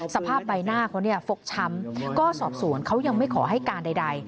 สภาพใบหน้าเขาเนี่ยฟกช้ำก็สอบสวนเขายังไม่ขอให้การใด